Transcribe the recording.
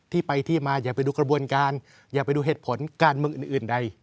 ที่ไปที่มาอย่าไปดูกระบวนการอย่าไปดูเหตุผลการเมืองอื่นใด